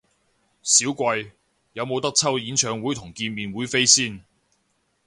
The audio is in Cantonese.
少貴，有無得抽演唱會同見面會飛先？